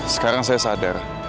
sekarang saya sadar